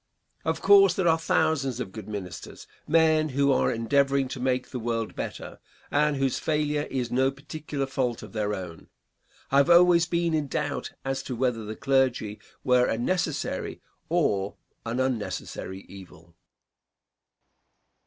Of course, there are thousands of good ministers, men who are endeavoring to make the world better, and whose failure is no particular fault of their own. I have always been in doubt as to whether the clergy were a necessary or an unnecessary evil.